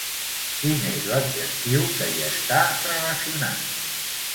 Quin és l'adjectiu que hi està relacionat?